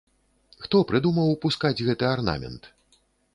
Хто прыдумаў пускаць гэты арнамент?